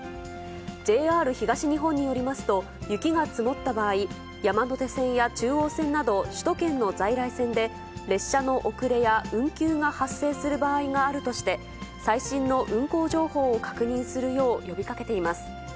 ＪＲ東日本によりますと、雪が積もった場合、山手線や中央線など、首都圏の在来線で、列車の遅れや運休が発生する場合があるとして、最新の運行情報を確認するよう呼びかけています。